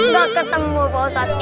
nggak ketemu pak ustadz